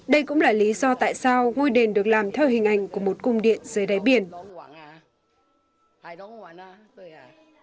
đây cũng là lý do tại sao ngôi đền được làm theo hình ảnh của một cung điện dưới đáy biển